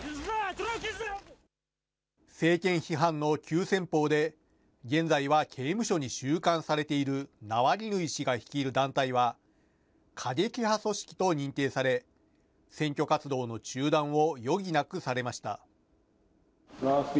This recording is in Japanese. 政権批判の急先ぽうで、現在は刑務所に収監されているナワリヌイ氏が率いる団体は、過激派組織と認定され、選挙活動の中断を余儀なくされました。